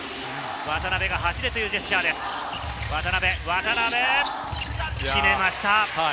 渡邊が走れというジェスチャーです、渡邊、決めました。